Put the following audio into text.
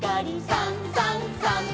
「さんさんさん」